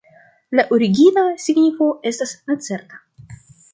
La origina signifo estas necerta.